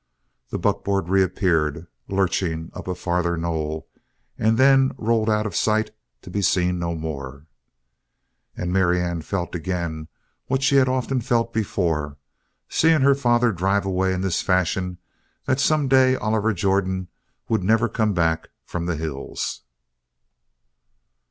The buckboard reappeared, lurching up a farther knoll, and then rolled out of sight to be seen no more. And Marianne felt again, what she had often felt before, seeing her father drive away in this fashion, that some day Oliver Jordan would never come back from the hills.